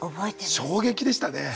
衝撃でした。